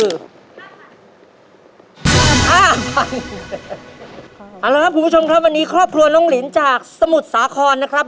เอาล่ะครับวันนี้ครอบครัวน้องหลินจากสมุทรสาขนครับ